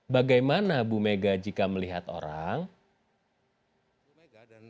bagaimana bumega jika melihat orang